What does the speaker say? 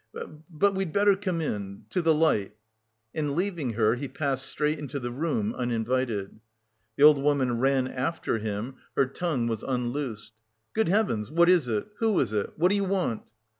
but we'd better come in... to the light...." And leaving her, he passed straight into the room uninvited. The old woman ran after him; her tongue was unloosed. "Good heavens! What it is? Who is it? What do you want?"